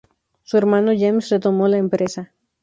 Su hermano James retomó la empresa.